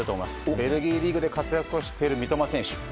ベルギーリーグで活躍している三笘選手。